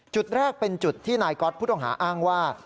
จุดแรกเป็นจุดที่นายก๊อตผู้ต้องหาอ้างว่า